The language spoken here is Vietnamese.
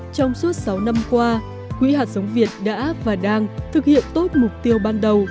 trong suốt sáu năm qua quỹ hạt sống việt đã và đang thực hiện tốt mục tiêu ban đầu